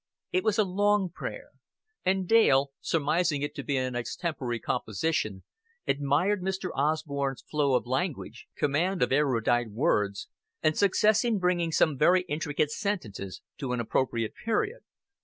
It was a long prayer; and Dale, surmising it to be an extempore composition, admired Mr. Osborn's flow of language, command of erudite words, and success in bringing some very intricate sentences to an appropriate period.